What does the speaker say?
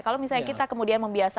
kalau misalnya kita kemudian membiasakan